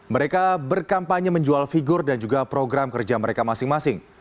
mereka berkampanye menjual figur dan juga program kerja mereka masing masing